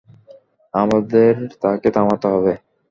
আমাদের তাকে থামাতে হবে!